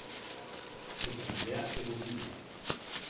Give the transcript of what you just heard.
Ich bin sehr erotisiert.